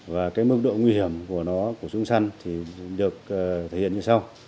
và cái mức độ nguy hiểm của nó của súng săn thì được thể hiện như sau